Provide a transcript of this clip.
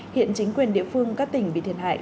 hiện chính quyền địa phương các tỉnh bị thiệt hại